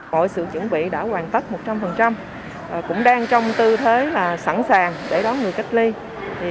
mọi sự chuẩn bị đã hoàn tất một trăm linh cũng đang trong tư thế sẵn sàng để đón người cách ly